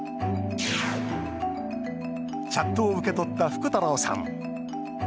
チャットを受け取った福太郎さん。